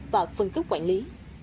và phân cấp quản lý